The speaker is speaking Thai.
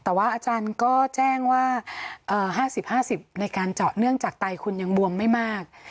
แต่ว่าอาจารย์ก็แจ้งว่า๕๐๕๐ในการเจาะเนื่องจากไตคุณยังบวมไม่มาก